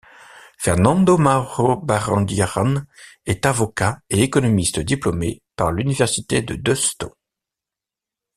Fernando Maura Barandiarán est avocat et économiste diplômé par l'Université de Deusto.